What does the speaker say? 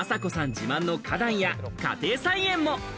自慢の花壇や家庭菜園も。